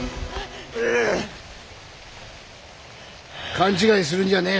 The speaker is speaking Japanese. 勘違いするんじゃねえ。